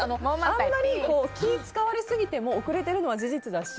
あんまり気を使われすぎても遅れてるのは事実だし